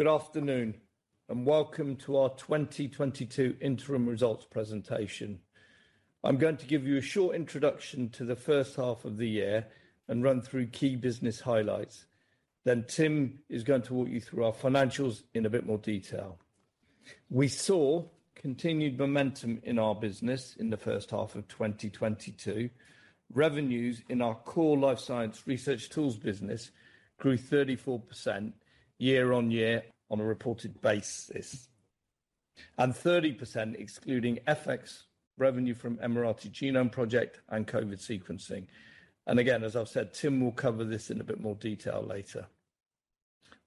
Good afternoon, and welcome to our 2022 interim results presentation. I'm going to give you a short introduction to the first half of the year and run through key business highlights. Then Tim is going to walk you through our financials in a bit more detail. We saw continued momentum in our business in the first half of 2022. Revenues in our core life science research tools business grew 34% year-on-year on a reported basis, and 30% excluding FX revenue from Emirati Genome Program and COVID sequencing. Again, as I've said, Tim will cover this in a bit more detail later.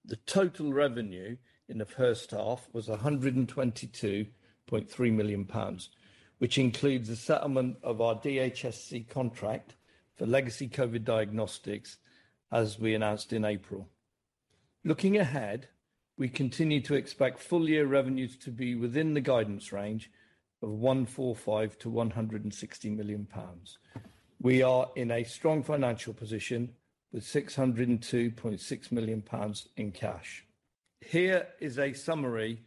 The total revenue in the first half was 122.3 million pounds, which includes the settlement of our DHSC contract for legacy COVID diagnostics as we announced in April. Looking ahead, we continue to expect full year revenues to be within the guidance range of 145 million-160 million pounds. We are in a strong financial position with 602.6 million pounds in cash. Here is a summary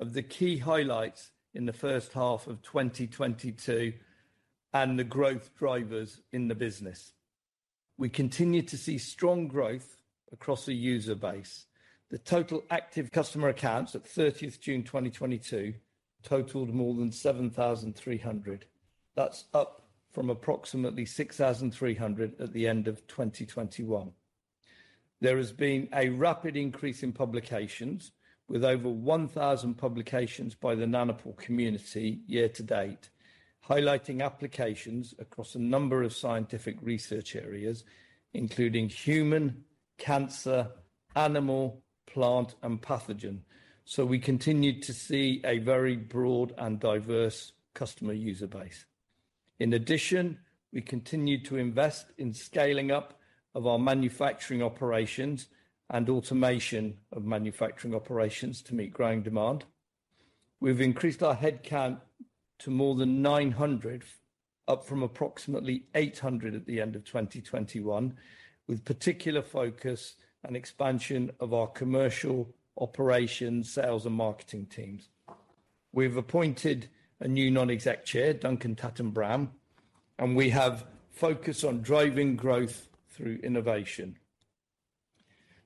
of the key highlights in the first half of 2022 and the growth drivers in the business. We continue to see strong growth across the user base. The total active customer accounts at June 30th, 2022 totaled more than 7,300. That's up from approximately 6,300 at the end of 2021. There has been a rapid increase in publications with over 1,000 publications by the Nanopore community year to date, highlighting applications across a number of scientific research areas, including human, cancer, animal, plant, and pathogen. We continue to see a very broad and diverse customer user base. In addition, we continue to invest in scaling up of our manufacturing operations and automation of manufacturing operations to meet growing demand. We've increased our headcount to more than 900, up from approximately 800 at the end of 2021, with particular focus on expansion of our commercial operations, sales, and marketing teams. We've appointed a new non-exec chair, Duncan Tatton-Brown, and we have focus on driving growth through innovation.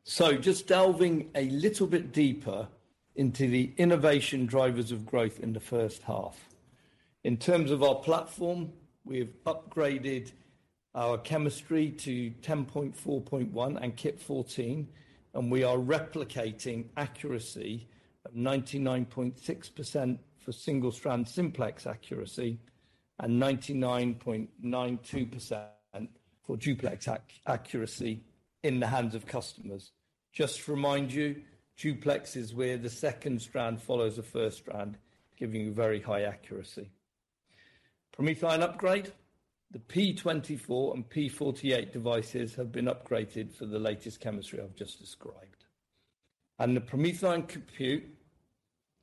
Just delving a little bit deeper into the innovation drivers of growth in the first half. In terms of our platform, we have upgraded our chemistry to R10.4.1 and Kit 14, and we are replicating accuracy of 99.6% for single-strand simplex accuracy and 99.92% for duplex accuracy in the hands of customers. Just to remind you, duplex is where the second strand follows the first strand, giving you very high accuracy. PromethION upgrade. The P24 and P48 devices have been upgraded for the latest chemistry I've just described. The PromethION compute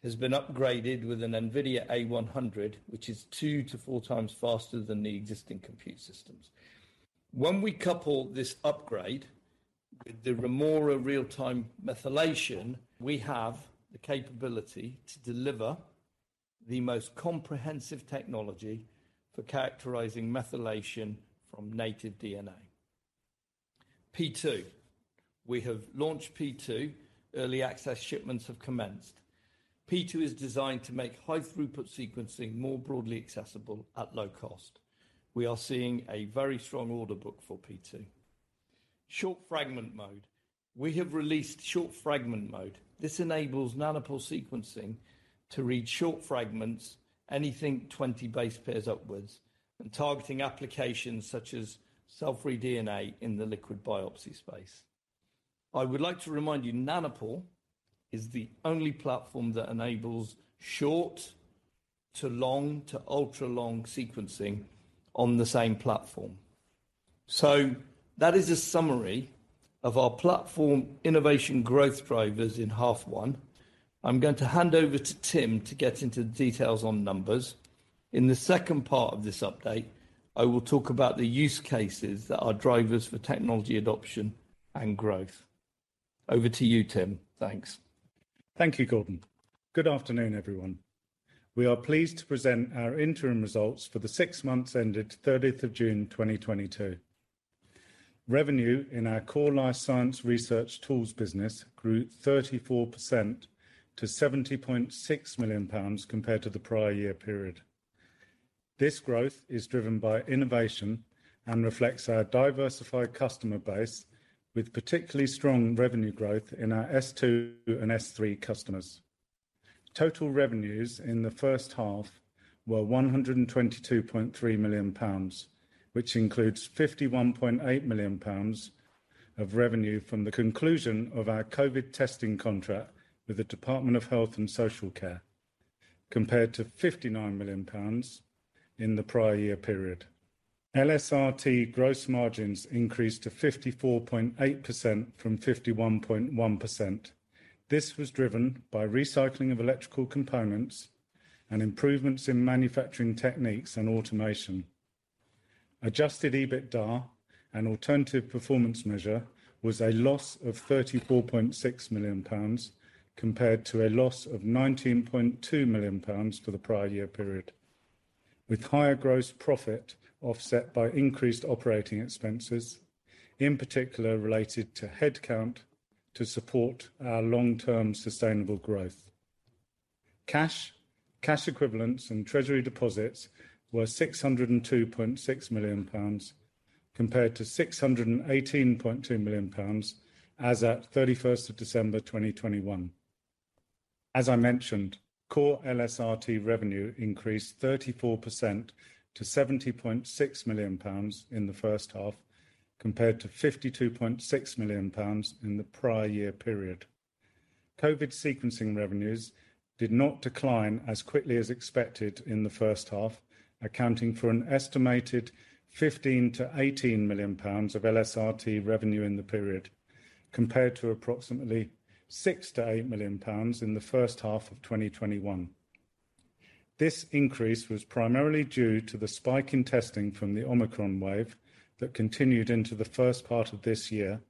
has been upgraded with an NVIDIA A100, which is two to four times faster than the existing compute systems. When we couple this upgrade with the Remora real-time methylation, we have the capability to deliver the most comprehensive technology for characterizing methylation from native DNA. P2. We have launched P2. Early access shipments have commenced. P2 is designed to make high-throughput sequencing more broadly accessible at low cost. We are seeing a very strong order book for P2. Short Fragment Mode. We have released Short Fragment Mode. This enables nanopore sequencing to read short fragments, anything 20 base pairs upwards, and targeting applications such as cell-free DNA in the liquid biopsy space. I would like to remind you, nanopore is the only platform that enables short to long to ultra-long sequencing on the same platform. That is a summary of our platform innovation growth drivers in half one. I'm going to hand over to Tim to get into the details on numbers. In the second part of this update, I will talk about the use cases that are drivers for technology adoption and growth. Over to you, Tim. Thanks. Thank you, Gordon. Good afternoon, everyone. We are pleased to present our interim results for the six months ended June 30, 2022. Revenue in our core life science research tools business grew 34% to 70.6 million pounds compared to the prior year period. This growth is driven by innovation and reflects our diversified customer base with particularly strong revenue growth in our S2 and S3 customers. Total revenues in the first half were 122.3 million pounds, which includes 51.8 million pounds of revenue from the conclusion of our COVID testing contract with the Department of Health and Social Care, compared to 59 million pounds in the prior year period. LSRT gross margins increased to 54.8% from 51.1%. This was driven by recycling of electrical components and improvements in manufacturing techniques and automation. Adjusted EBITDA and alternative performance measure was a loss of 34.6 million pounds compared to a loss of 19.2 million pounds for the prior year period, with higher gross profit offset by increased operating expenses, in particular related to headcount to support our long-term sustainable growth. Cash, cash equivalents, and treasury deposits were 602.6 million pounds compared to 618.2 million pounds as at December 31, 2021. As I mentioned, core LSRT revenue increased 34% to 70.6 million pounds in the first half compared to 52.6 million pounds in the prior year period. COVID sequencing revenues did not decline as quickly as expected in the first half, accounting for an estimated 15 million-18 million pounds of LSRT revenue in the period, compared to approximately 6 million-8 million pounds in the first half of 2021. This increase was primarily due to the spike in testing from the Omicron wave that continued into the first part of this year,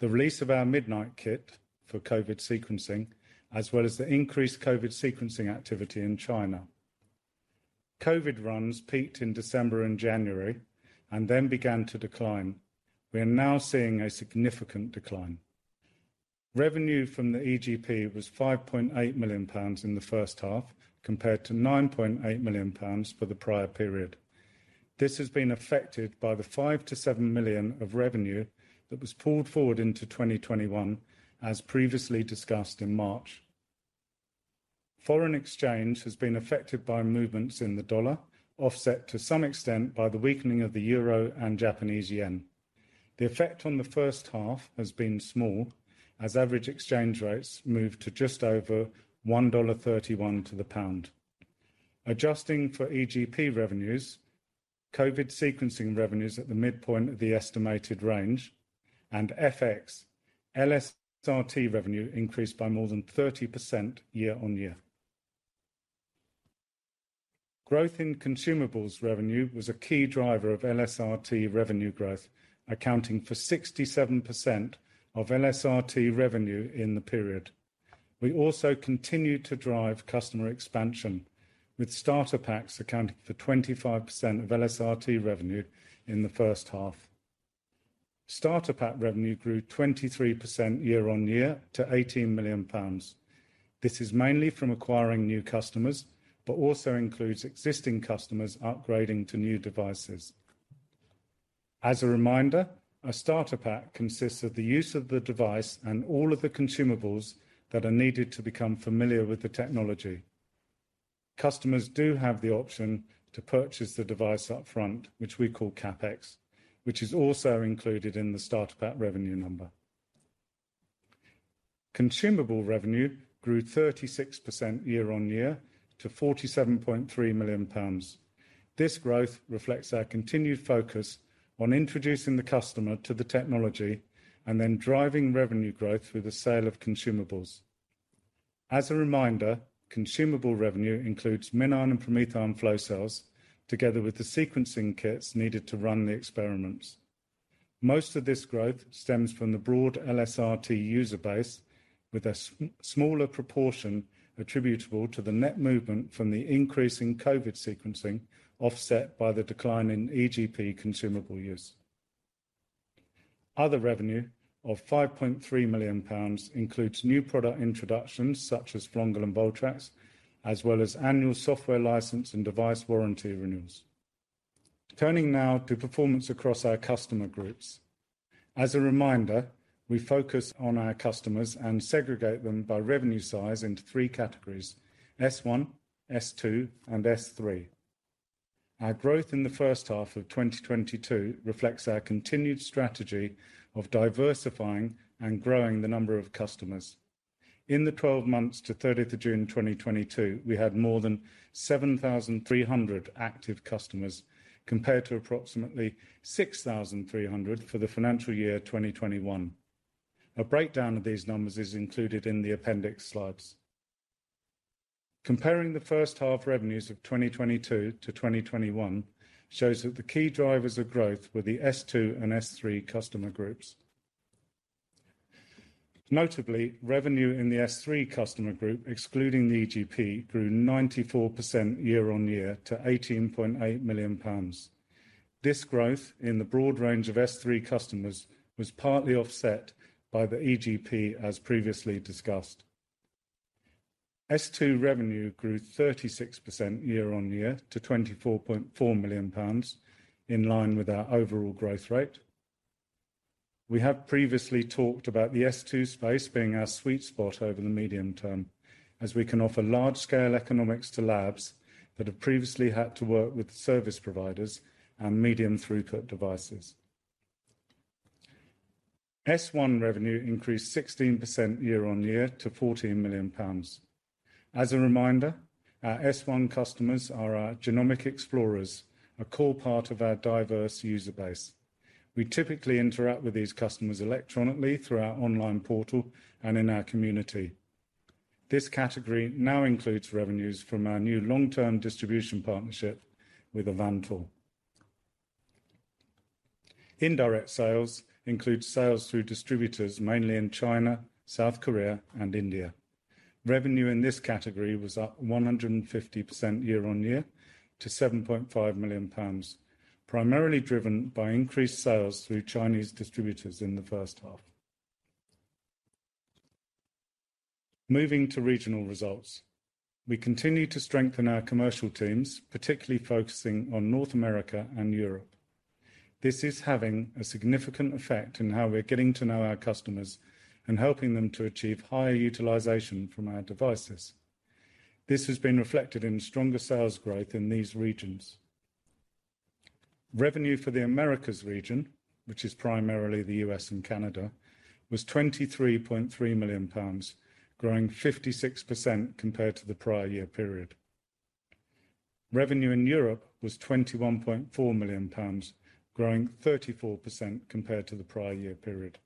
the release of our Midnight Kit for COVID sequencing, as well as the increased COVID sequencing activity in China. COVID runs peaked in December and January and then began to decline. We are now seeing a significant decline. Revenue from the EGP was 5.8 million pounds in the first half compared to 9.8 million pounds for the prior period. This has been affected by the 5-7 million of revenue that was pulled forward into 2021 as previously discussed in March. Foreign exchange has been affected by movements in the dollar, offset to some extent by the weakening of the euro and Japanese yen. The effect on the first half has been small as average exchange rates moved to just over $1.31 to the pound. Adjusting for EGP revenues, COVID sequencing revenues at the midpoint of the estimated range, and FX, LSRT revenue increased by more than 30% year-over-year. Growth in consumables revenue was a key driver of LSRT revenue growth, accounting for 67% of LSRT revenue in the period. We also continued to drive customer expansion with starter packs accounting for 25% of LSRT revenue in the first half. Starter pack revenue grew 23% year-on-year to 18 million pounds. This is mainly from acquiring new customers, but also includes existing customers upgrading to new devices. As a reminder, a starter pack consists of the use of the device and all of the consumables that are needed to become familiar with the technology. Customers do have the option to purchase the device up front, which we call CapEx, which is also included in the starter pack revenue number. Consumable revenue grew 36% year-on-year to 47.3 million pounds. This growth reflects our continued focus on introducing the customer to the technology and then driving revenue growth through the sale of consumables. As a reminder, consumable revenue includes MinION and PromethION flow cells together with the sequencing kits needed to run the experiments. Most of this growth stems from the broad LSRT user base with a smaller proportion attributable to the net movement from the increase in COVID sequencing, offset by the decline in EGP consumable use. Other revenue of 5.3 million pounds includes new product introductions such as Flongle and VolTRAX, as well as annual software license and device warranty renewals. Turning now to performance across our customer groups. As a reminder, we focus on our customers and segregate them by revenue size into three categories: S-1, S-2, and S-3. Our growth in the first half of 2022 reflects our continued strategy of diversifying and growing the number of customers. In the 12 months to June 13 2022, we had more than 7,300 active customers, compared to approximately 6,300 for the financial year 2021. A breakdown of these numbers is included in the appendix slides. Comparing the first-half revenues of 2022 to 2021 shows that the key drivers of growth were the S-2 and S-3 customer groups. Notably, revenue in the S-3 customer group, excluding the EGP, grew 94% year-on-year to 18.8 million pounds. This growth in the broad range of S-3 customers was partly offset by the EGP as previously discussed. S-2 revenue grew 36% year-on-year to 24.4 million pounds in line with our overall growth rate. We have previously talked about the S-2 space being our sweet spot over the medium term, as we can offer large scale economics to labs that have previously had to work with service providers and medium throughput devices. S-1 revenue increased 16% year-on-year to 14 million pounds. As a reminder, our S-1 customers are our genomic explorers, a core part of our diverse user base. We typically interact with these customers electronically through our online portal and in our community. This category now includes revenues from our new long-term distribution partnership with Avantor. Indirect sales include sales through distributors, mainly in China, South Korea, and India. Revenue in this category was up 150% year-over-year to 7.5 million pounds, primarily driven by increased sales through Chinese distributors in the first half. Moving to regional results. We continue to strengthen our commercial teams, particularly focusing on North America and Europe. This is having a significant effect in how we're getting to know our customers and helping them to achieve higher utilization from our devices. This has been reflected in stronger sales growth in these regions. Revenue for the Americas region, which is primarily the U.S. and Canada, was 23.3 million pounds, growing 56% compared to the prior year period. Revenue in Europe was 21.4 million pounds, growing 34% compared to the prior year period.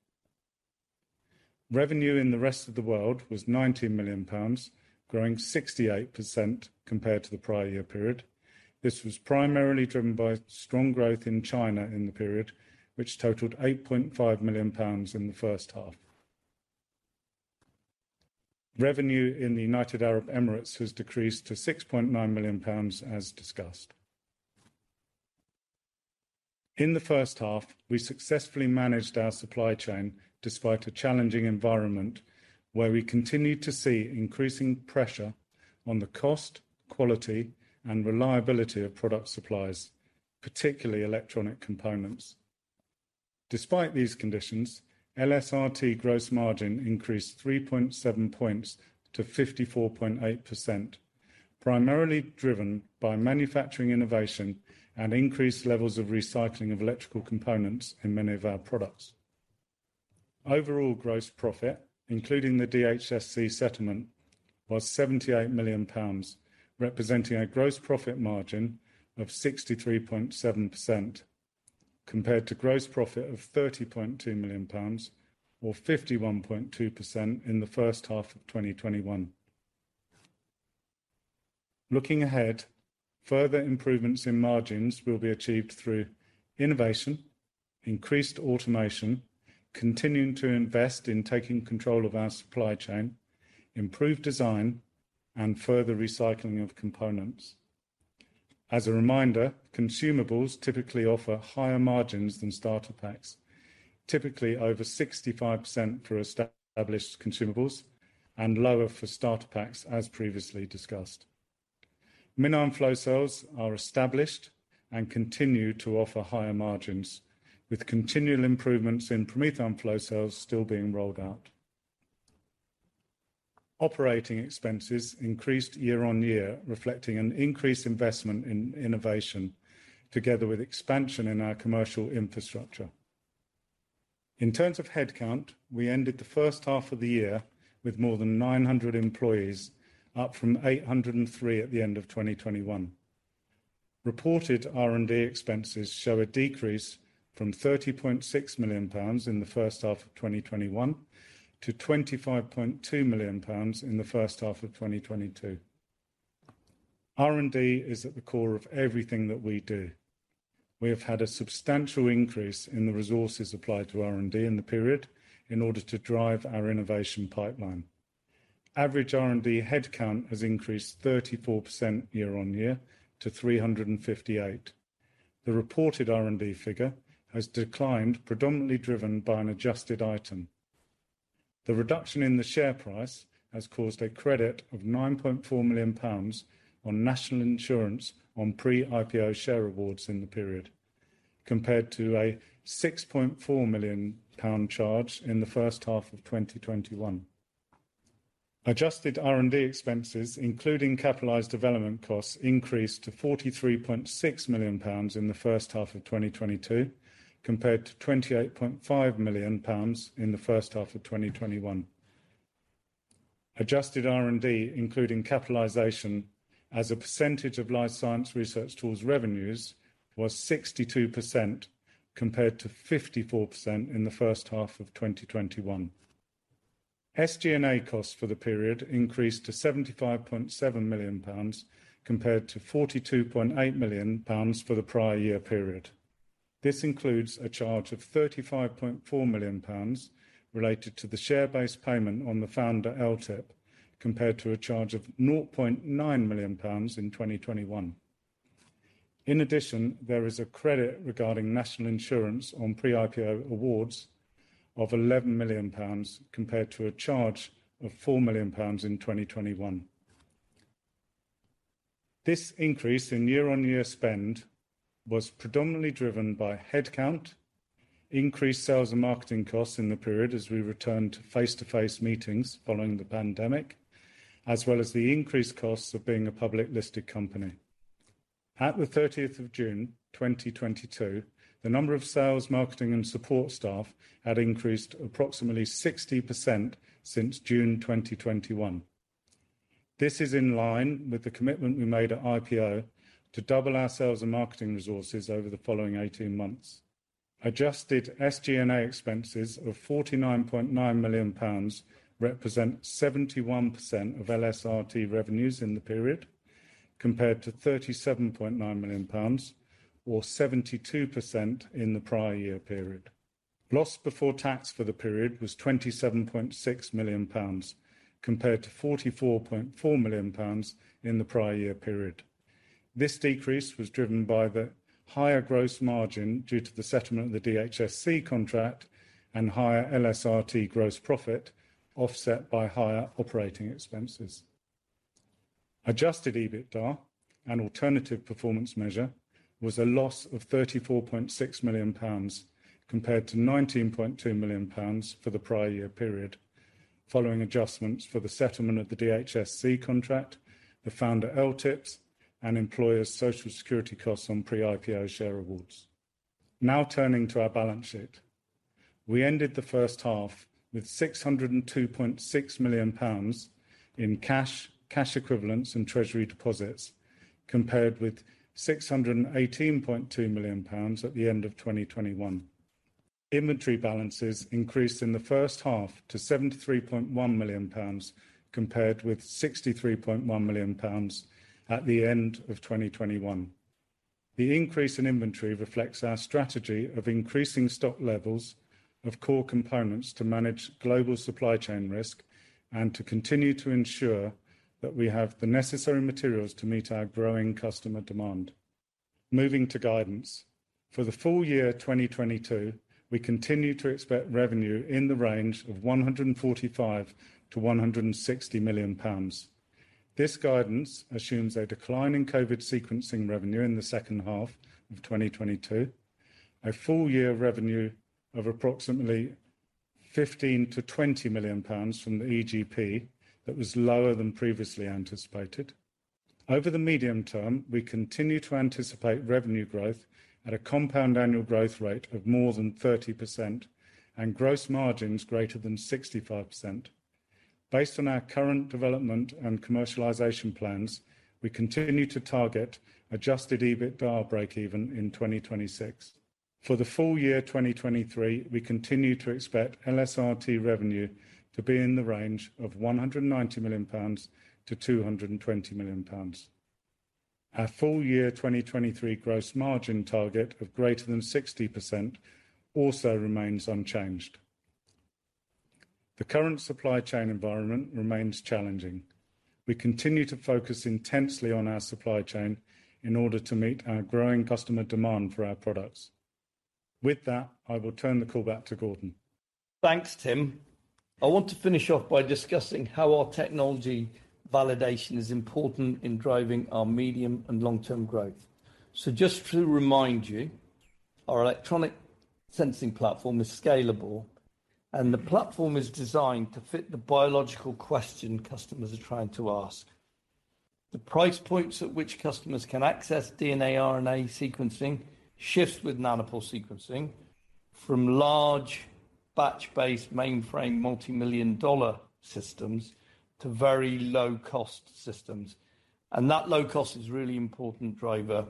Revenue in the rest of the world was 19 million pounds, growing 68% compared to the prior year period. This was primarily driven by strong growth in China in the period, which totaled 8.5 million pounds in the first half. Revenue in the United Arab Emirates has decreased to 6.9 million pounds as discussed. In the first half, we successfully managed our supply chain despite a challenging environment where we continued to see increasing pressure on the cost, quality, and reliability of product supplies, particularly electronic components. Despite these conditions, LSRT gross margin increased 3.7 points to 54.8%, primarily driven by manufacturing innovation and increased levels of recycling of electrical components in many of our products. Overall gross profit, including the DHSC settlement, was 78 million pounds, representing a gross profit margin of 63.7% compared to gross profit of 30.2 million pounds or 51.2% in the first half of 2021. Looking ahead, further improvements in margins will be achieved through innovation, increased automation, continuing to invest in taking control of our supply chain, improved design, and further recycling of components. As a reminder, consumables typically offer higher margins than starter packs, typically over 65% for established consumables and lower for starter packs as previously discussed. MinION flow cells are established and continue to offer higher margins, with continual improvements in PromethION flow cells still being rolled out. Operating expenses increased year on year, reflecting an increased investment in innovation together with expansion in our commercial infrastructure. In terms of headcount, we ended the first half of the year with more than 900 employees, up from 803 at the end of 2021. Reported R&D expenses show a decrease from 30.6 million pounds in the first half of 2021 to 25.2 million pounds in the first half of 2022. R&D is at the core of everything that we do. We have had a substantial increase in the resources applied to R&D in the period in order to drive our innovation pipeline. Average R&D headcount has increased 34% year on year to 358. The reported R&D figure has declined, predominantly driven by an adjusted item. The reduction in the share price has caused a credit of 9.4 million pounds on national insurance on pre-IPO share awards in the period, compared to a 6.4 million pound charge in the first half of 2021. Adjusted R&D expenses, including capitalized development costs, increased to 43.6 million pounds in the first half of 2022, compared to 28.5 million pounds in the first half of 2021. Adjusted R&D, including capitalization as a percentage of Life Science Research Tools revenues, was 62% compared to 54% in the first half of 2021. SG&A costs for the period increased to 75.7 million pounds compared to 42.8 million pounds for the prior year period. This includes a charge of 35.4 million pounds related to the share-based payment on the founder LTIP, compared to a charge of 0.9 million pounds in 2021. In addition, there is a credit regarding national insurance on pre-IPO awards of 11 million pounds compared to a charge of 4 million pounds in 2021. This increase in year-on-year spend was predominantly driven by headcount, increased sales and marketing costs in the period as we return to face-to-face meetings following the pandemic, as well as the increased costs of being a public listed company. At the June 13, 2022, the number of sales, marketing, and support staff had increased approximately 60% since June 2021. This is in line with the commitment we made at IPO to double our sales and marketing resources over the following 18 months. Adjusted SG&A expenses of 49.9 million pounds represent 71% of LSRT revenues in the period, compared to 37.9 million pounds or 72% in the prior year period. Loss before tax for the period was 27.6 million pounds compared to 44.4 million pounds in the prior year period. This decrease was driven by the higher gross margin due to the settlement of the DHSC contract and higher LSRT gross profit, offset by higher operating expenses. Adjusted EBITDA and alternative performance measure was a loss of 34.6 million pounds compared to 19.2 million pounds for the prior year period, following adjustments for the settlement of the DHSC contract, the founder LTIPs, and employer's Social Security costs on pre-IPO share awards. Now turning to our balance sheet. We ended the first half with 602.6 million pounds in cash equivalents and treasury deposits, compared with 618.2 million pounds at the end of 2021. Inventory balances increased in the first half to 73.1 million pounds compared with 63.1 million pounds at the end of 2021. The increase in inventory reflects our strategy of increasing stock levels of core components to manage global supply chain risk and to continue to ensure that we have the necessary materials to meet our growing customer demand. Moving to guidance. For the full year 2022, we continue to expect revenue in the range of 145 million-160 million pounds. This guidance assumes a decline in COVID sequencing revenue in the second half of 2022, a full-year revenue of approximately 15 million-20 million pounds from the EGP that was lower than previously anticipated. Over the medium term, we continue to anticipate revenue growth at a compound annual growth rate of more than 30% and gross margins greater than 65%. Based on our current development and commercialization plans, we continue to target adjusted EBITDA breakeven in 2026. For the full year 2023, we continue to expect LSRT revenue to be in the range of 190 million-220 million pounds. Our full-year 2023 gross margin target of greater than 60% also remains unchanged. The current supply chain environment remains challenging. We continue to focus intensely on our supply chain in order to meet our growing customer demand for our products. With that, I will turn the call back to Gordon. Thanks, Tim. I want to finish off by discussing how our technology validation is important in driving our medium and long-term growth. Just to remind you, our electronic sensing platform is scalable, and the platform is designed to fit the biological question customers are trying to ask. The price points at which customers can access DNA, RNA sequencing shifts with Nanopore sequencing from large batch-based mainframe multi-million dollar systems to very low-cost systems. That low cost is a really important driver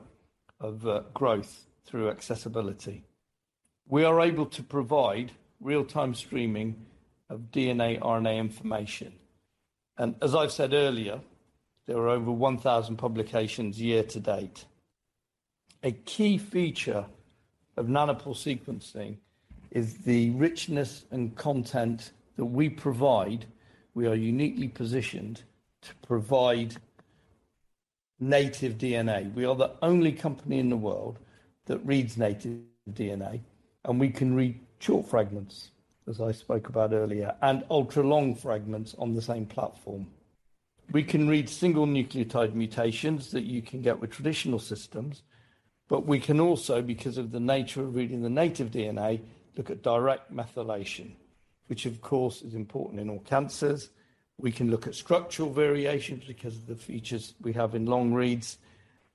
of growth through accessibility. We are able to provide real-time streaming of DNA, RNA information. As I've said earlier, there are over 1,000 publications year to date. A key feature of Nanopore sequencing is the richness and content that we provide. We are uniquely positioned to provide native DNA. We are the only company in the world that reads native DNA, and we can read short fragments, as I spoke about earlier, and ultra-long fragments on the same platform. We can read single nucleotide variants that you can get with traditional systems, but we can also, because of the nature of reading the native DNA, look at direct methylation, which of course is important in all cancers. We can look at structural variations because of the features we have in long reads,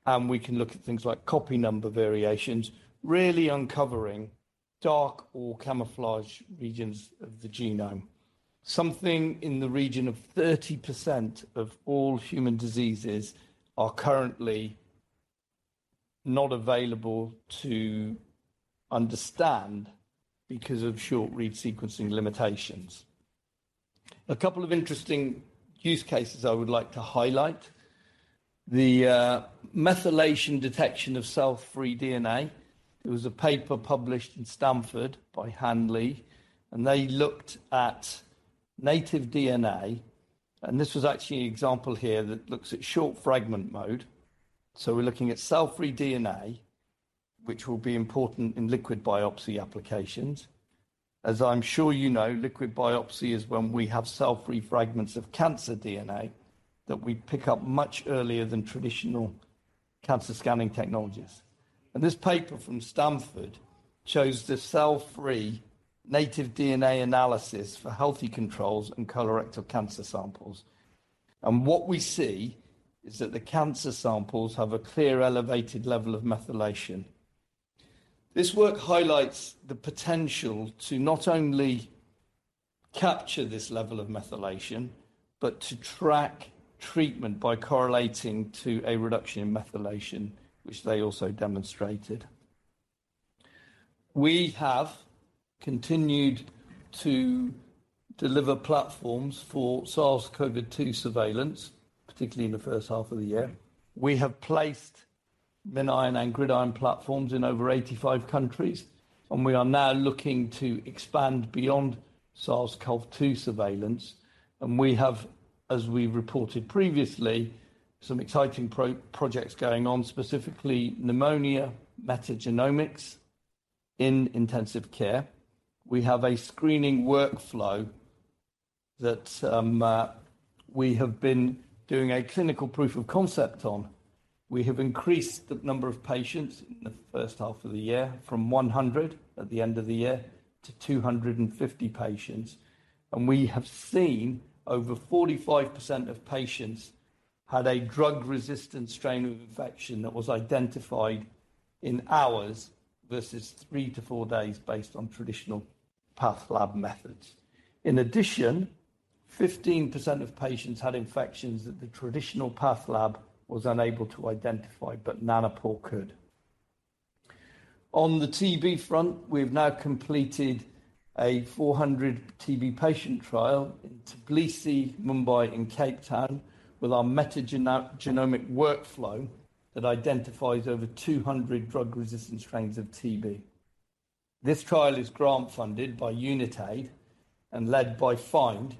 and we can look at things like copy number variations, really uncovering dark or camouflage regions of the genome. Something in the region of 30% of all human diseases are currently not available to understand because of short read sequencing limitations. A couple of interesting use cases I would like to highlight. The methylation detection of cell-free DNA. There was a paper published in Stanford by Hanlee Ji, and they looked at native DNA, and this was actually an example here that looks at Short Fragment Mode. We're looking at cell-free DNA, which will be important in liquid biopsy applications. As I'm sure you know, liquid biopsy is when we have cell-free fragments of cancer DNA that we pick up much earlier than traditional cancer scanning technologies. This paper from Stanford shows the cell-free native DNA analysis for healthy controls and colorectal cancer samples. What we see is that the cancer samples have a clear elevated level of methylation. This work highlights the potential to not only capture this level of methylation, but to track treatment by correlating to a reduction in methylation, which they also demonstrated. We have continued to deliver platforms for SARS-CoV-2 surveillance, particularly in the first half of the year. We have placed MinION and GridION platforms in over 85 countries, and we are now looking to expand beyond SARS-CoV-2 surveillance. We have, as we reported previously, some exciting projects going on, specifically pneumonia metagenomics in intensive care. We have a screening workflow that we have been doing a clinical proof of concept on. We have increased the number of patients in the first half of the year from 100 at the end of the year to 250 patients. We have seen over 45% of patients had a drug-resistant strain of infection that was identified in hours versus three-four days based on traditional path lab methods. In addition, 15% of patients had infections that the traditional path lab was unable to identify, but Nanopore could. On the TB front, we've now completed a 400 TB patient trial in Tbilisi, Mumbai and Cape Town with our metagenomic workflow that identifies over 200 drug-resistant strains of TB. This trial is grant funded by Unitaid and led by FIND,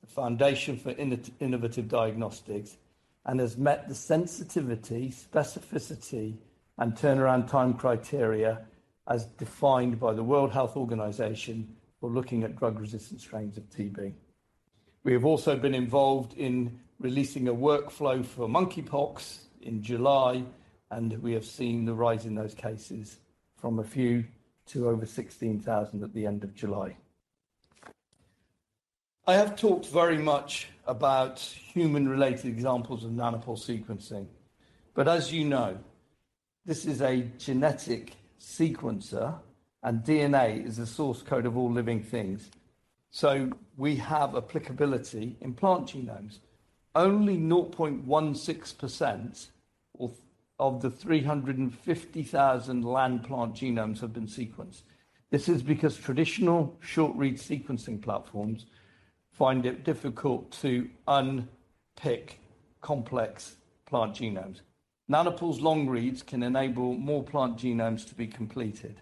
the Foundation for Innovative Diagnostics, and has met the sensitivity, specificity, and turnaround time criteria as defined by the World Health Organization. We're looking at drug-resistant strains of TB. We have also been involved in releasing a workflow for monkeypox in July, and we have seen the rise in those cases from a few to over 16,000 at the end of July. I have talked very much about human-related examples of Nanopore sequencing, but as you know, this is a genetic sequencer and DNA is the source code of all living things. We have applicability in plant genomes. Only 0.16% of the 350,000 land plant genomes have been sequenced. This is because traditional short-read sequencing platforms find it difficult to unpick complex plant genomes. Nanopore's long reads can enable more plant genomes to be completed.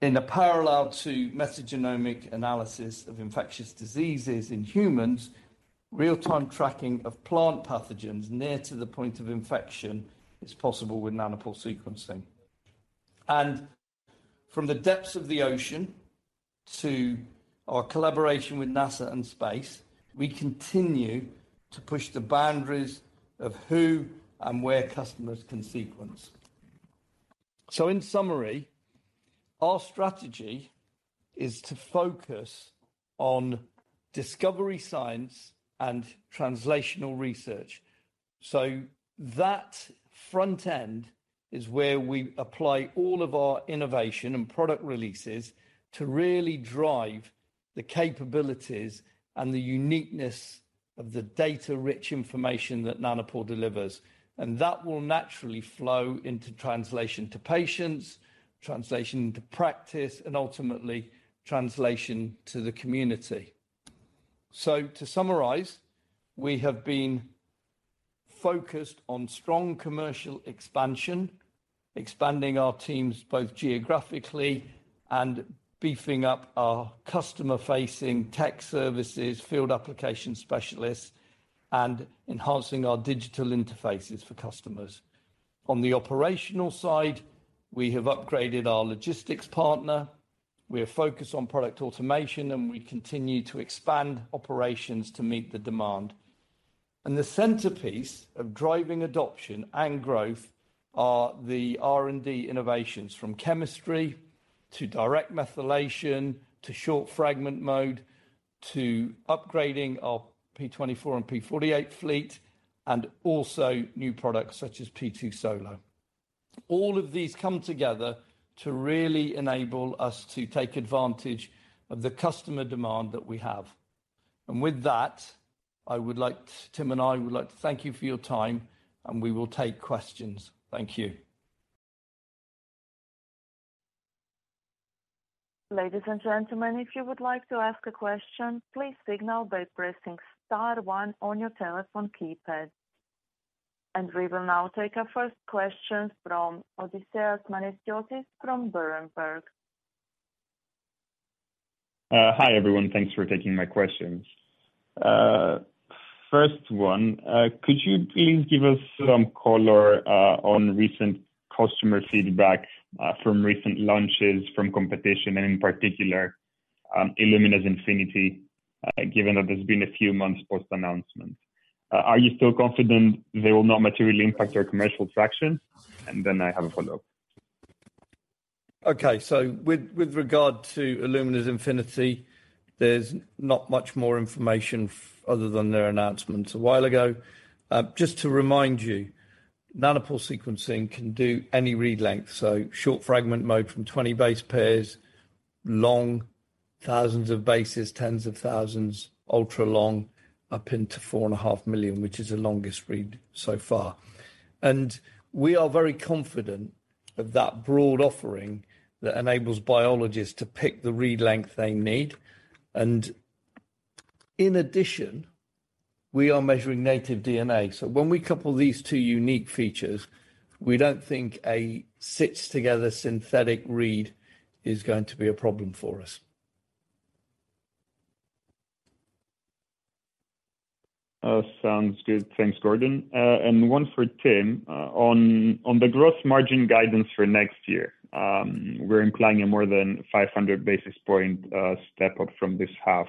In a parallel to metagenomic analysis of infectious diseases in humans, real-time tracking of plant pathogens near to the point of infection is possible with Nanopore sequencing. From the depths of the ocean to our collaboration with NASA and space, we continue to push the boundaries of who and where customers can sequence. In summary, our strategy is to focus on discovery science and translational research. That front end is where we apply all of our innovation and product releases to really drive the capabilities and the uniqueness of the data-rich information that Nanopore delivers. That will naturally flow into translation to patients, translation into practice, and ultimately translation to the community. To summarize, we have been focused on strong commercial expansion, expanding our teams both geographically and beefing up our customer-facing tech services, field application specialists, and enhancing our digital interfaces for customers. On the operational side, we have upgraded our logistics partner. We are focused on product automation, and we continue to expand operations to meet the demand. The centerpiece of driving adoption and growth are the R&D innovations, from chemistry to direct methylation, to Short Fragment Mode, to upgrading our P24 and P48 fleet, and also new products such as P2 Solo. All of these come together to really enable us to take advantage of the customer demand that we have. Tim and I would like to thank you for your time and we will take questions. Thank you. Ladies and gentlemen, if you would like to ask a question, please signal by pressing star one on your telephone keypad. We will now take our first question from Odysseas Manesiotis from Berenberg. Hi everyone. Thanks for taking my questions. First one, could you please give us some color on recent customer feedback from recent launches from competition and in particular, Illumina's Infinity, given that there's been a few months post-announcement. Are you still confident they will not materially impact your commercial traction? I have a follow-up. Okay. With regard to Illumina's Infinity, there's not much more information other than their announcement a while ago. Just to remind you, nanopore sequencing can do any read length. Short Fragment Mode from 20 base pairs, long thousands of bases, tens of thousands, ultra long up into 4.5 million, which is the longest read so far. We are very confident of that broad offering that enables biologists to pick the read length they need. In addition, we are measuring native DNA. When we couple these two unique features, we don't think a stitched-together synthetic read is going to be a problem for us. Sounds good. Thanks, Gordon. One for Tim. On the gross margin guidance for next year, we're implying a more than 500 basis points step up from this half.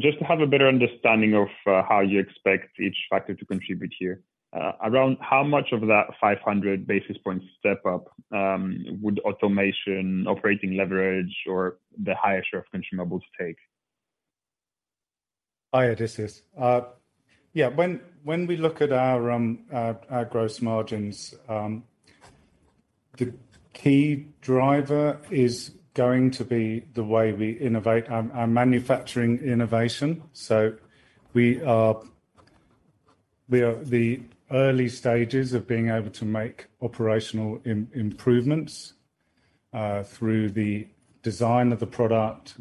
Just to have a better understanding of how you expect each factor to contribute here. Around how much of that 500 basis points step up would automation, operating leverage or the higher share of consumables take? Hi, Odysseas. Yeah, when we look at our gross margins, the key driver is going to be the way we innovate our manufacturing innovation. We are in the early stages of being able to make operational improvements through the design of the product,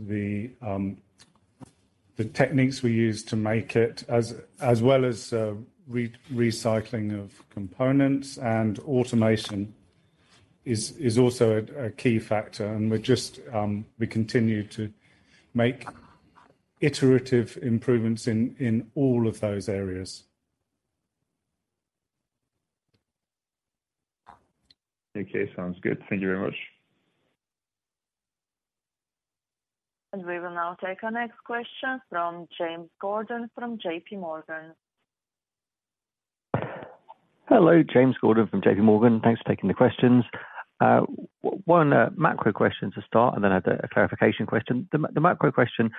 the techniques we use to make it, as well as recycling of components and automation is also a key factor. We continue to make iterative improvements in all of those areas. Okay. Sounds good. Thank you very much. We will now take our next question from James Gordon from JPMorgan. Hello, James Gordon from JPMorgan. Thanks for taking the questions. Macro question to start, and then I have a clarification question. The macro question.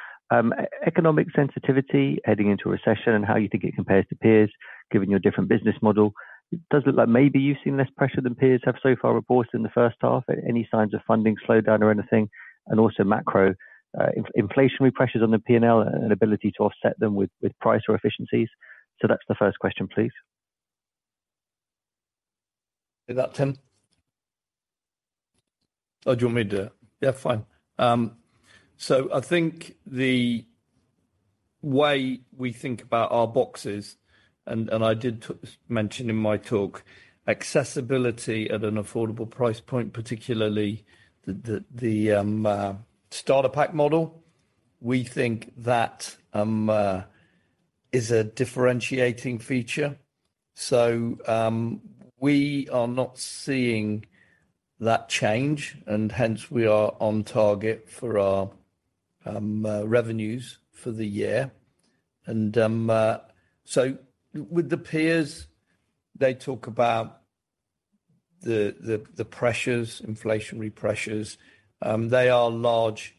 Economic sensitivity heading into a recession and how you think it compares to peers, given your different business model. It does look like maybe you've seen less pressure than peers have so far reported in the first half. Any signs of funding slowdown or anything? Also macro, inflationary pressures on the P&L and ability to offset them with price or efficiencies. So that's the first question, please. Is that Tim? Or do you want me to do it? Yeah, fine. I think the way we think about our boxes and I did mention in my talk, accessibility at an affordable price point, particularly the starter pack model. We think that is a differentiating feature. We are not seeing that change, and hence we are on target for our revenues for the year. With the peers, they talk about the pressures, inflationary pressures. They are large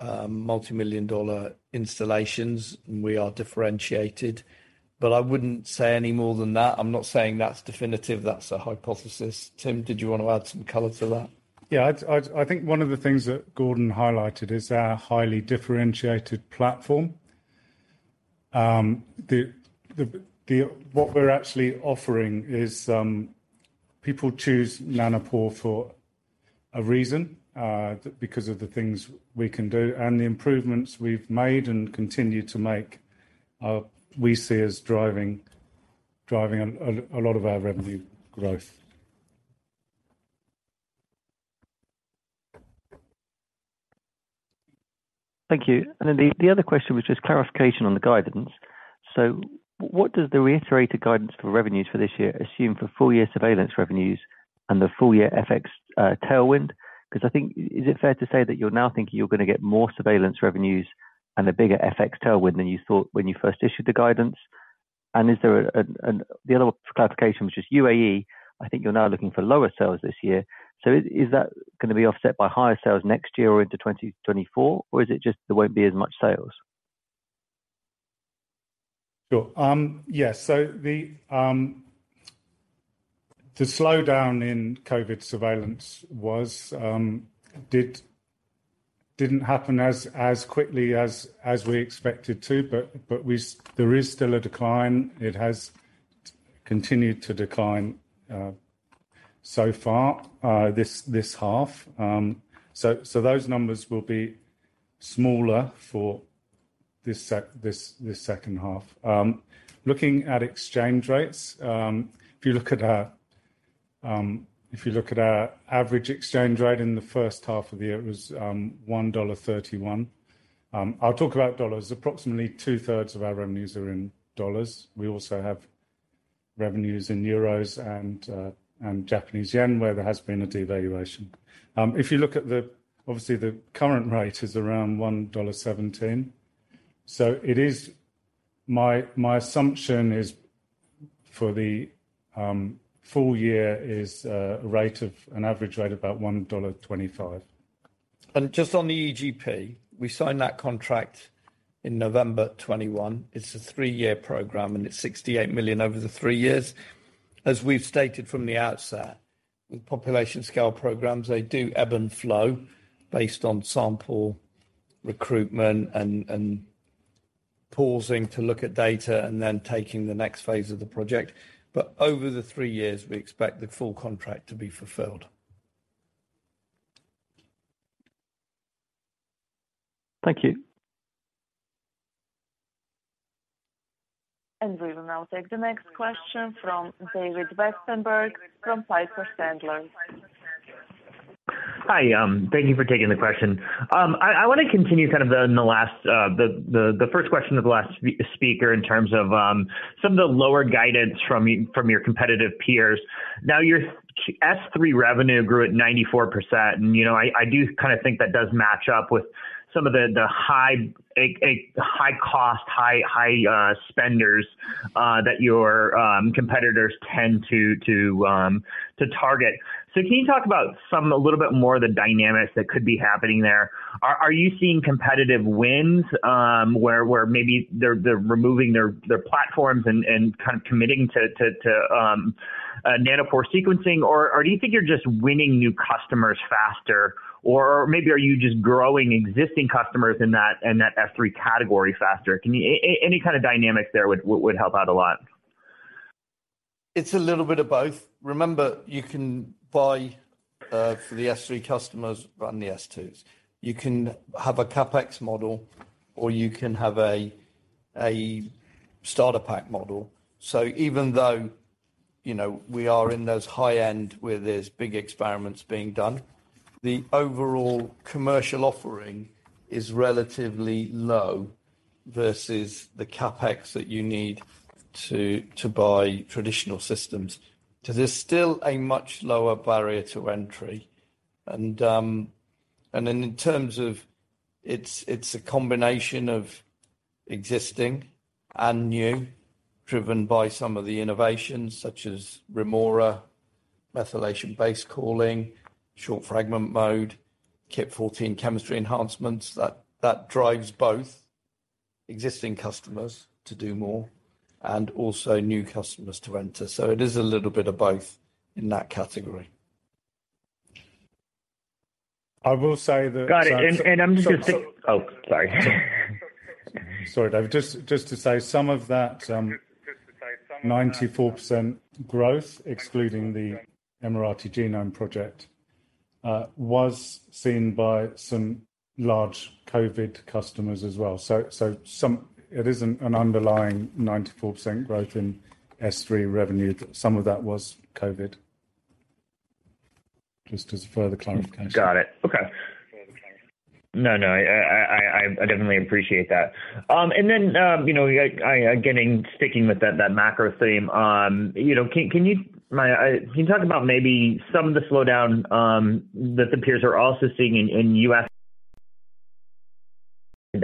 multimillion-dollar installations, and we are differentiated. But I wouldn't say any more than that. I'm not saying that's definitive. That's a hypothesis. Tim, did you want to add some color to that? Yeah. I think one of the things that Gordon highlighted is our highly differentiated platform. What we're actually offering is people choose Nanopore for a reason, because of the things we can do and the improvements we've made and continue to make. We see as driving a lot of our revenue growth. Thank you. Then the other question was just clarification on the guidance. What does the reiterated guidance for revenues for this year assume for full-year surveillance revenues and the full-year FX tailwind? 'Cause I think—is it fair to say that you're now thinking you're gonna get more surveillance revenues and a bigger FX tailwind than you thought when you first issued the guidance? The other clarification was just UAE. I think you're now looking for lower sales this year. Is that gonna be offset by higher sales next year or into 2024? Or is it just that there won't be as much sales? Sure. The slowdown in COVID surveillance didn't happen as quickly as we expected to, but there is still a decline. It has continued to decline so far this half. Those numbers will be smaller for this second half. Looking at exchange rates, if you look at our average exchange rate in the first half of the year, it was $1.31. I'll talk about dollars. Approximately 2/3 of our revenues are in dollars. We also have revenues in euros and Japanese yen, where there has been a devaluation. Obviously, the current rate is around $1.17. My assumption is for the full year is a rate of an average rate about $1.25. Just on the EGP, we signed that contract in November 2021. It's a three-year program, and it's 68 million over the three years. As we've stated from the outset, with population scale programs, they do ebb and flow based on sample recruitment and pausing to look at data and then taking the next phase of the project. Over the three years, we expect the full contract to be fulfilled. Thank you. We will now take the next question from David Westenberg from Piper Sandler. Hi. Thank you for taking the question. I wanna continue kind of the first question of the last speaker in terms of some of the lower guidance from your competitive peers. Now, your S-3 revenue grew at 94%. You know, I do kinda think that does match up with some of the high cost high spenders that your competitors tend to target. Can you talk a little bit more about the dynamics that could be happening there? Are you seeing competitive wins where maybe they're removing their platforms and kind of committing to nanopore sequencing? Or do you think you're just winning new customers faster? Maybe are you just growing existing customers in that S-3 category faster? Can you any kind of dynamic there would help out a lot. It's a little bit of both. Remember, you can buy for the S-3 customers and the S-2s. You can have a CapEx model, or you can have a starter pack model. Even though, you know, we are in those high end where there's big experiments being done, the overall commercial offering is relatively low versus the CapEx that you need to buy traditional systems. There's still a much lower barrier to entry. In terms of, it's a combination of existing and new, driven by some of the innovations such as Remora, methylation-based calling, Short Fragment Mode, Kit 14 chemistry enhancements, that drives both existing customers to do more and also new customers to enter. It is a little bit of both in that category. I will say that. Got it. I'm just gonna take- So- Oh, sorry. Sorry, David. Just to say, some of that 94% growth, excluding the Emirati Genome Program, was seen by some large COVID customers as well. It isn't an underlying 94% growth in S-3 revenue. Some of that was COVID. Just as further clarification. Got it. Okay. No, I definitely appreciate that. Then, you know, I again in sticking with that macro theme, you know, can you talk about maybe some of the slowdown that the peers are also seeing in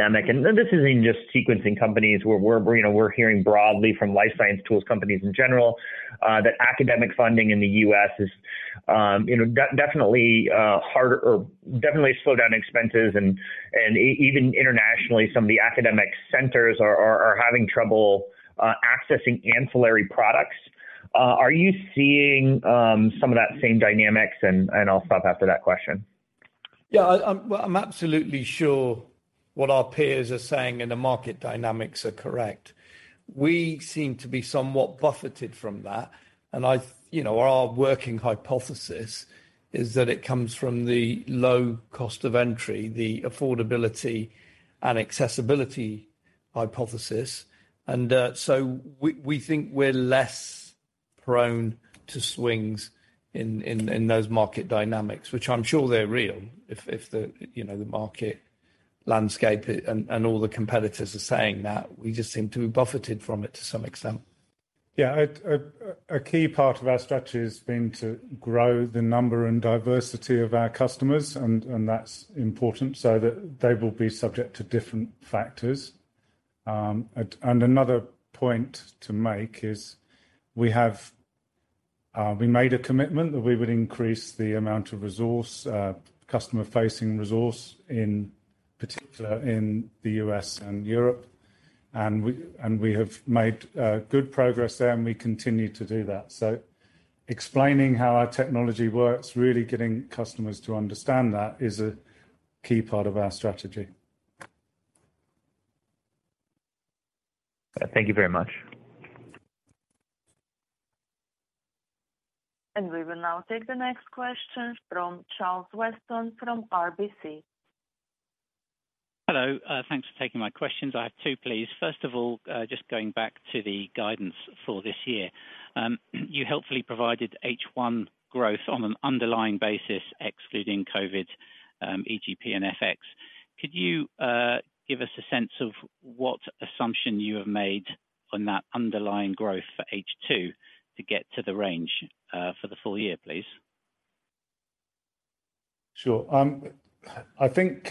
U.S. academic. This isn't just sequencing companies. We're hearing broadly from life science tools companies in general that academic funding in the U.S. is definitely harder or definitely slowed down expenses. Even internationally, some of the academic centers are having trouble accessing ancillary products. Are you seeing some of that same dynamics? I'll stop after that question. Yeah. I'm well, I'm absolutely sure what our peers are saying in the market dynamics are correct. We seem to be somewhat buffeted from that. I, you know, our working hypothesis is that it comes from the low cost of entry, the affordability and accessibility hypothesis. We think we're less prone to swings in those market dynamics, which I'm sure they're real if the, you know, the market landscape and all the competitors are saying that. We just seem to be buffeted from it to some extent. Yeah. A key part of our strategy has been to grow the number and diversity of our customers, and that's important so that they will be subject to different factors. Another point to make is we made a commitment that we would increase the amount of resource, customer-facing resource, in particular in the US and Europe. We have made good progress there, and we continue to do that. Explaining how our technology works, really getting customers to understand that is a key part of our strategy. Thank you very much. We will now take the next question from Charles Weston from RBC. Hello. Thanks for taking my questions. I have two, please. First of all, just going back to the guidance for this year. You helpfully provided H1 growth on an underlying basis excluding COVID, EGP and FX. Could you give us a sense of what assumption you have made on that underlying growth for H2 to get to the range for the full year, please? Sure. I think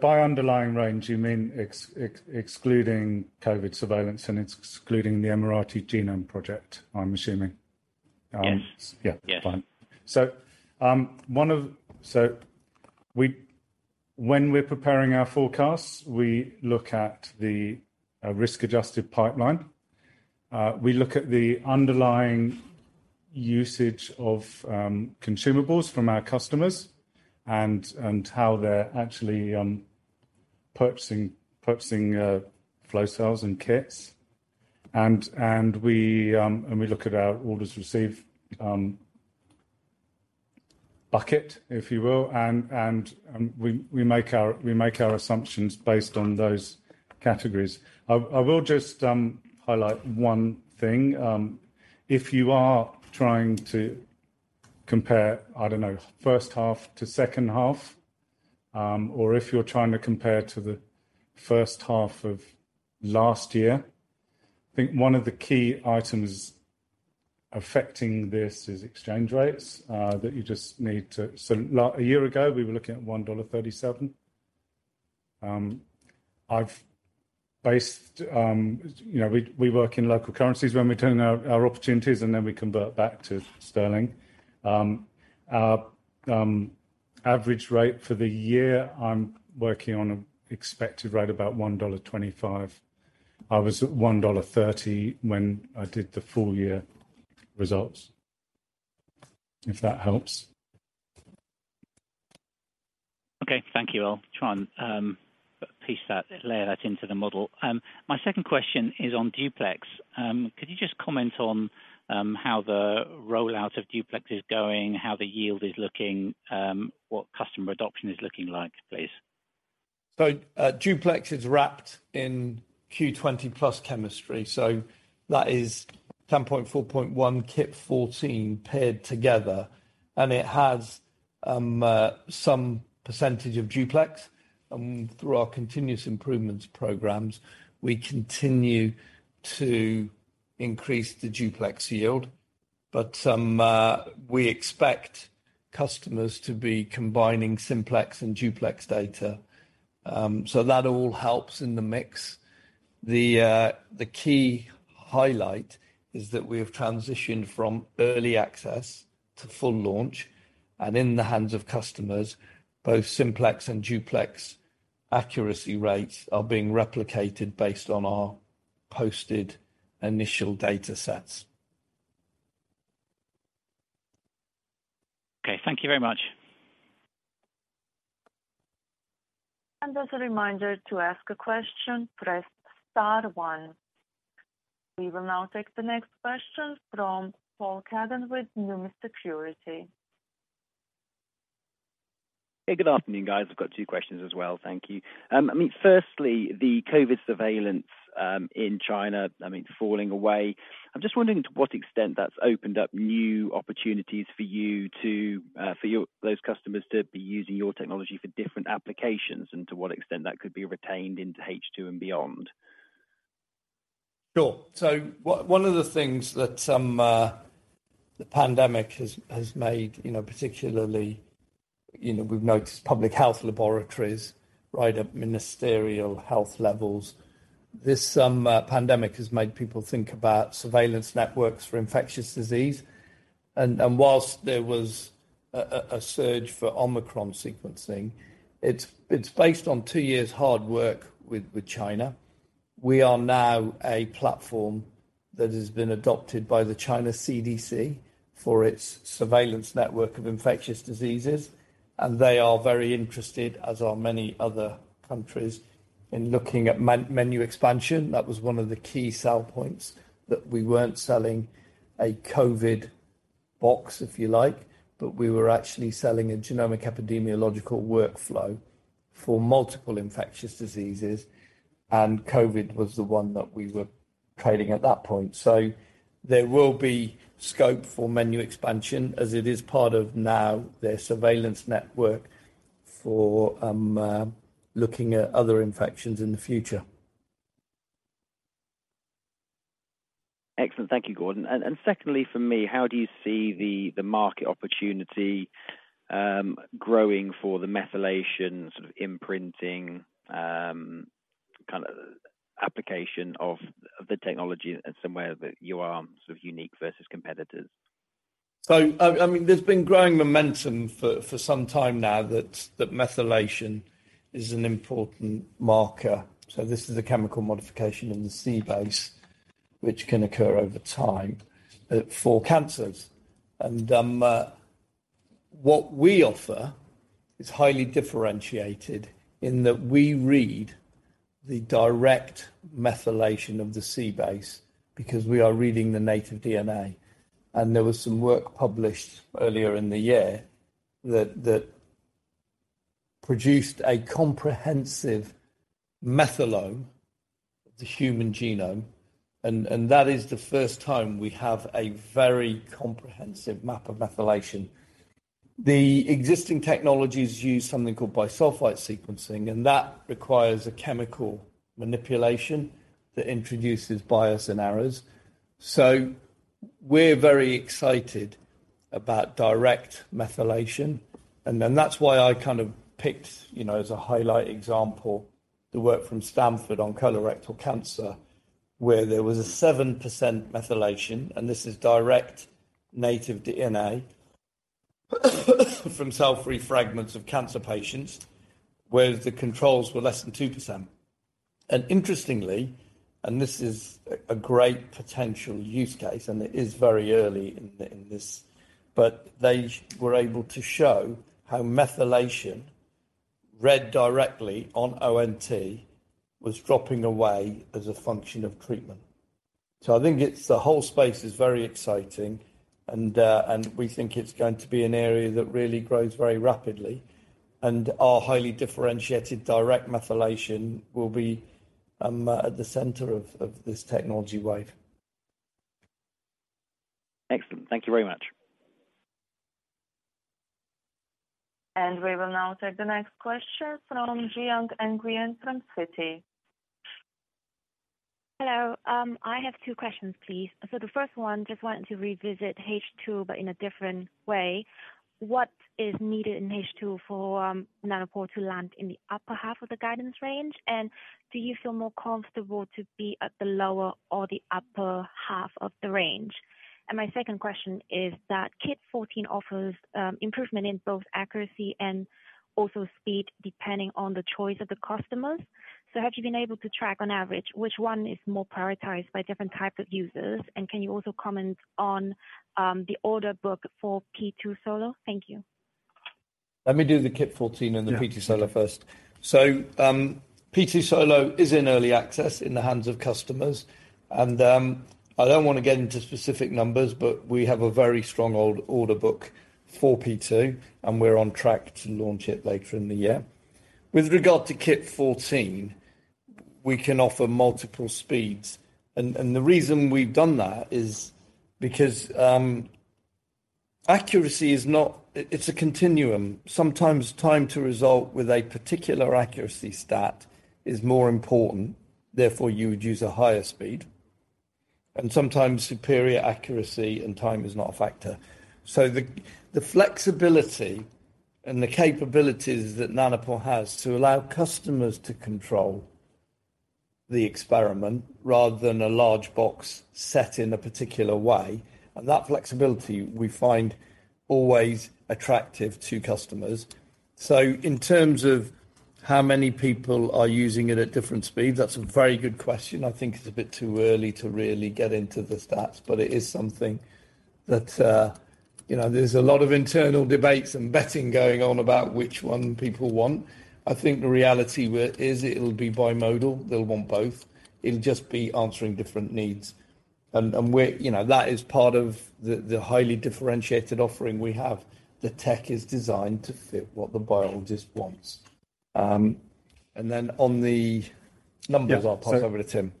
by underlying range, you mean excluding COVID surveillance, and excluding the Emirati Genome Program, I'm assuming? Yes. Yeah. Yes. Fine. When we're preparing our forecasts, we look at the risk-adjusted pipeline. We look at the underlying usage of consumables from our customers and how they're actually purchasing flow cells and kits. We look at our orders received bucket, if you will, and we make our assumptions based on those categories. I will just highlight one thing. If you are trying to compare, I don't know, first half to second half, or if you're trying to compare to the first half of last year, I think one of the key items affecting this is exchange rates that you just need to. A year ago, we were looking at $1.37. I've based. You know, we work in local currencies when we're doing our opportunities, and then we convert back to sterling. Our average rate for the year. I'm working on expected rate about 1.25 dollars. I was at 1.30 dollars when I did the full year results, if that helps. Okay. Thank you. I'll try and piece that, layer that into the model. My second question is on duplex. Could you just comment on how the rollout of duplex is going, how the yield is looking, what customer adoption is looking like, please? Duplex is wrapped in Q20+ chemistry, so that is R10.4.1 Kit 14 paired together, and it has some percentage of Duplex. Through our continuous improvements programs, we continue to increase the Duplex yield. Some we expect customers to be combining Simplex and Duplex data, so that all helps in the mix. The key highlight is that we have transitioned from early access to full launch, and in the hands of customers, both Simplex and Duplex accuracy rates are being replicated based on our posted initial data sets. Okay. Thank you very much. As a reminder to ask a question, press star one. We will now take the next question from Paul Cuddon with Numis Securities. Hey, good afternoon, guys. I've got two questions as well. Thank you. I mean, firstly, the COVID surveillance in China, I mean, it's falling away. I'm just wondering to what extent that's opened up new opportunities for those customers to be using your technology for different applications, and to what extent that could be retained into H2 and beyond. One of the things that the pandemic has made, you know, particularly, you know, we've noticed public health laboratories right up ministerial health levels. This pandemic has made people think about surveillance networks for infectious disease. While there was a surge for Omicron sequencing, it's based on two years' hard work with China. We are now a platform that has been adopted by the China CDC for its surveillance network of infectious diseases, and they are very interested, as are many other countries, in looking at menu expansion. That was one of the key selling points that we weren't selling a COVID box, if you like, but we were actually selling a genomic epidemiological workflow for multiple infectious diseases, and COVID was the one that we were targeting at that point. There will be scope for menu expansion as it is part of now their surveillance network for looking at other infections in the future. Excellent. Thank you, Gordon. Secondly for me, how do you see the market opportunity growing for the methylation sort of imprinting kind of application of the technology as somewhere that you are sort of unique versus competitors? I mean, there's been growing momentum for some time now that methylation is an important marker. This is a chemical modification in the C base, which can occur over time for cancers. What we offer is highly differentiated in that we read the direct methylation of the C base because we are reading the native DNA. There was some work published earlier in the year that produced a comprehensive methylome of the human genome, and that is the first time we have a very comprehensive map of methylation. The existing technologies use something called bisulfite sequencing, and that requires a chemical manipulation that introduces bias and errors. We're very excited about direct methylation. That's why I kind of picked, you know, as a highlight example, the work from Stanford on colorectal cancer, where there was a 7% methylation, and this is direct native DNA from cell-free fragments of cancer patients, where the controls were less than 2%. Interestingly, and this is a great potential use case, and it is very early in this, but they were able to show how methylation read directly on ONT was dropping away as a function of treatment. I think it's the whole space is very exciting and we think it's going to be an area that really grows very rapidly. Our highly differentiated direct methylation will be at the center of this technology wave. Excellent. Thank you very much. We will now take the next question from Ji Young Ahn from Citi. Hello. I have two questions, please. The first one, just wanted to revisit H2, but in a different way. What is needed in H2 for Nanopore to land in the upper half of the guidance range? Do you feel more comfortable to be at the lower or the upper half of the range? My second question is that Kit 14 offers improvement in both accuracy and also speed depending on the choice of the customers. Have you been able to track on average which one is more prioritized by different type of users? Can you also comment on the order book for P2 Solo? Thank you. Let me do the Kit 14 and the P2 Solo first. Yeah. P2 Solo is in early access in the hands of customers. I don't wanna get into specific numbers, but we have a very strong order book for P2, and we're on track to launch it later in the year. With regard to Kit 14, we can offer multiple speeds. The reason we've done that is because accuracy is not. It's a continuum. Sometimes time to result with a particular accuracy stat is more important, therefore, you would use a higher speed. Sometimes superior accuracy and time is not a factor. The flexibility and the capabilities that Nanopore has to allow customers to control the experiment rather than a large box set in a particular way, and that flexibility we find always attractive to customers. In terms of how many people are using it at different speeds, that's a very good question. I think it's a bit too early to really get into the stats, but it is something that, you know, there's a lot of internal debates and betting going on about which one people want. I think the reality is it'll be bimodal. They'll want both. It'll just be answering different needs. And we're, you know, that is part of the highly differentiated offering we have. The tech is designed to fit what the biologist wants. And then on the numbers. Yeah. I'll pass over to Tim.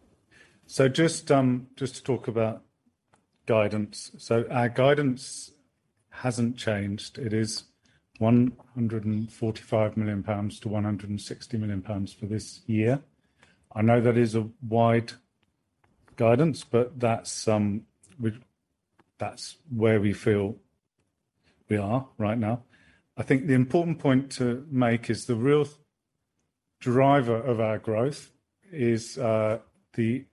Just to talk about guidance. Our guidance hasn't changed. It is 145 million-160 million pounds for this year. I know that is a wide guidance, but that's where we feel we are right now. I think the important point to make is the real driver of our growth is the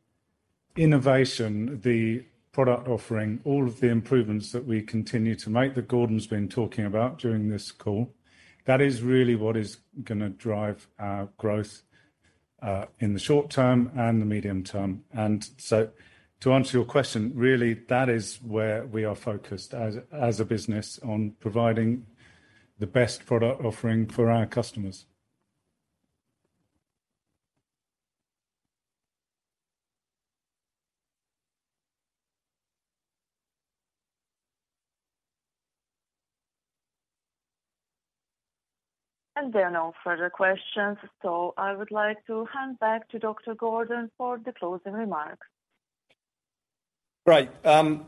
innovation, the product offering, all of the improvements that we continue to make, that Gordon's been talking about during this call. That is really what is gonna drive our growth in the short term and the medium term. To answer your question, really that is where we are focused as a business on providing the best product offering for our customers. There are no further questions. I would like to hand back to Dr. Gordon for the closing remarks. Great.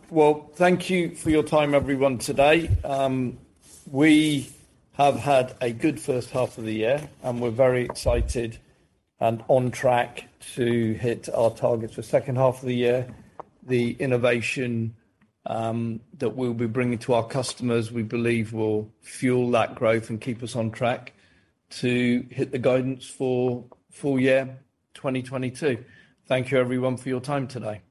Well, thank you for your time, everyone, today. We have had a good first half of the year, and we're very excited and on track to hit our targets for second half of the year. The innovation that we'll be bringing to our customers, we believe will fuel that growth and keep us on track to hit the guidance for full year 2022. Thank you everyone for your time today.